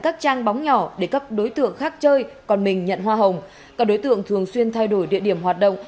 các trang bóng nhỏ để các đối tượng khác chơi còn mình nhận hoa hồng các đối tượng thường xuyên thay đổi địa điểm hoạt động